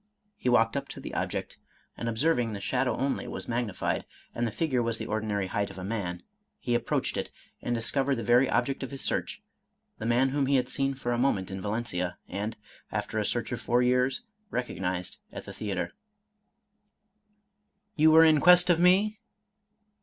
He walked up to the object, and ob serving the shadow only was magnified, and the figure was the ordinary height of man, he approached it, and discov ered the very object of his search, — the man whom he had seen for a moment in Valencia, and, after a search of four years, recognized at the theater. " You were in quest of me